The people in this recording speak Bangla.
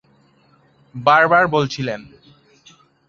বারবার বলছিলেন।